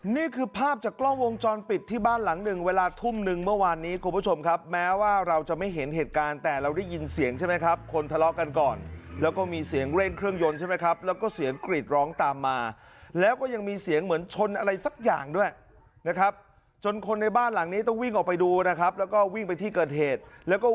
นี่คือภาพจากกล้องวงจรปิดที่บ้านหลังหนึ่งเวลาทุ่มนึงเมื่อวานนี้คุณผู้ชมครับแม้ว่าเราจะไม่เห็นเหตุการณ์แต่เราได้ยินเสียงใช่ไหมครับคนทะเลาะกันก่อนแล้วก็มีเสียงเร่งเครื่องยนต์ใช่ไหมครับแล้วก็เสียงกรีดร้องตามมาแล้วก็ยังมีเสียงเหมือนชนอะไรสักอย่างด้วยนะครับจนคนในบ้านหลังนี้ต้องวิ่งออกไปดูนะครับแล้วก็วิ่งไปที่เกิดเหตุแล้วก็